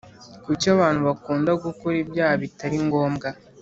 Kuki abantu bakunda gukora ibyaha bitari ngombwa